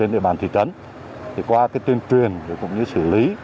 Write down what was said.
địa bàn thị trấn thì qua cái tuyên truyền cũng như xử lý